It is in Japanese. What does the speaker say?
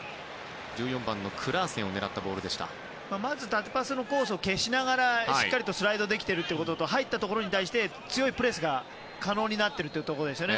縦パスのコースを消しながらしっかりスライドできているということと入ったところに対して強いプレスが可能になっているところですよね。